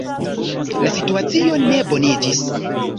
La situacio ne boniĝis.